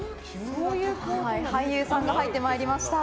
俳優さんが入ってまいりました。